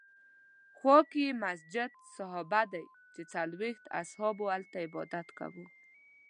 خوا کې یې مسجد صحابه دی چې څلوېښت اصحابو هلته عبادت کاوه.